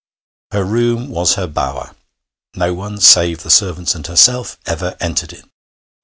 Her room was her bower. No one, save the servants and herself, ever entered it.